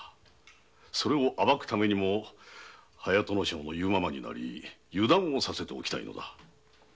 それをあばくためにも隼人正の言うままになり油断をさせておきたいのだ。